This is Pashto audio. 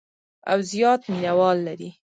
او زیات مینوال لري.